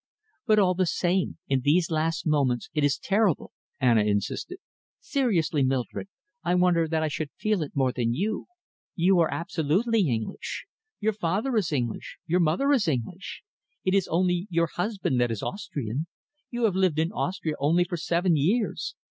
"But all the same, in these last moments it is terrible," Anna insisted. "Seriously, Mildred, I wonder that I should feel it more than you. You are absolutely English. Your father is English, your mother is English. It is only your husband that is Austrian. You have lived in Austria only for seven years.